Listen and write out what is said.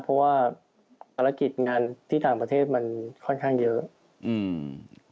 เพราะว่าภารกิจงานที่ต่างประเทศมันค่อนข้างเยอะอืม